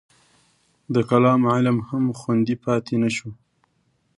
د کلام علم هم خوندي پاتې نه شو.